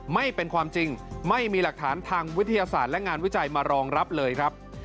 ไม่เป็นความจริงไม่มีหลักฐานทางวิทยาศาสตร์และงานวิจัยมารองรับเลยครับ